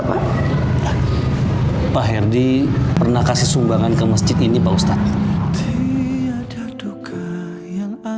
pak herdi pernah kasih sumbangan ke masjid ini pak ustadz